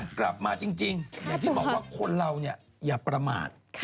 กลับมาจริงอย่างที่บอกว่าคนเราเนี่ยอย่าประมาท